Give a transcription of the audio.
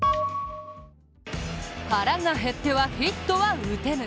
腹が減ってはヒットは打てぬ。